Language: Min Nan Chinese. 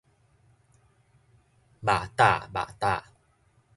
覓搭覓搭